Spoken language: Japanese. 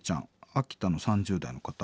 秋田の３０代の方。